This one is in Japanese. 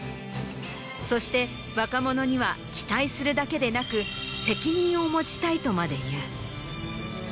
そして若者には期待するだけでなく「責任を持ちたい」とまで言う。